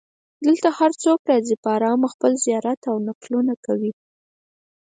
دلته هر څوک راځي په ارامه خپل زیارت او نفلونه کوي.